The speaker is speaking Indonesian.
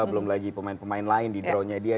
belum lagi pemain pemain lain di drawnya dia